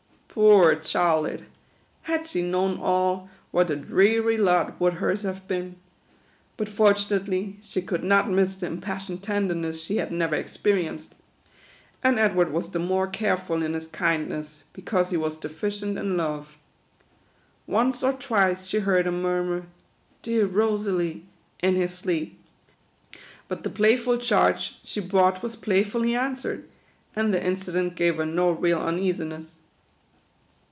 Poor Charlotte ! had she known all, what a dreary lot would hers have been ; but fortunately, she could not miss the impassioned tenderness she had never experienced ; and Edward was the more careful in his kindness, because he was deficient in love. Once or twice she heard him murmur, " dear Rosalie," in his sleep ; but the playful charge she brought was play fully answered, and the incident gave her o real un easiness.